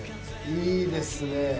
いいですね。